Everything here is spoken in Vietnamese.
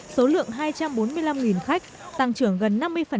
số lượng hai trăm bốn mươi năm khách tăng trưởng gần năm mươi